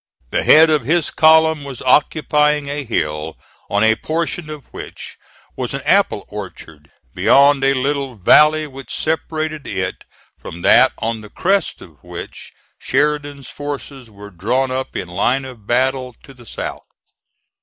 The head of his column was occupying a hill, on a portion of which was an apple orchard, beyond a little valley which separated it from that on the crest of which Sheridan's forces were drawn up in line of battle to the south.